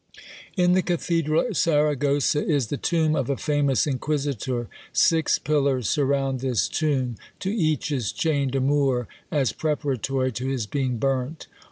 In the cathedral at Saragossa is the tomb of a famous inquisitor; six pillars surround this tomb; to each is chained a Moor, as preparatory to his being burnt.